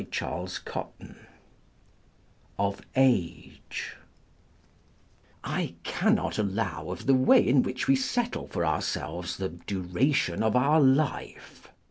] CHAPTER LVII OF AGE I cannot allow of the way in which we settle for ourselves the duration of our life.